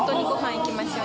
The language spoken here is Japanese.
行きましょう。